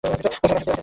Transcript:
ঐখানে মেসেজ দেই?